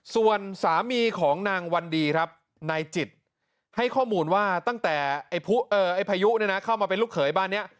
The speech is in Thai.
ส่วนสามีของนางวันดีครับนายจิตให้ข้อมูลว่าตั้งแต่พายุเข้ามาเป็นลูกเขยบ้านนี้